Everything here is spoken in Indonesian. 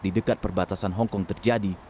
di dekat perbatasan hong kong terjadi